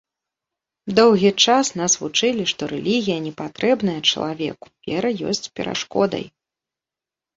Доўгі час нас вучылі, што рэлігія не патрэбная чалавеку, вера ёсць перашкодай.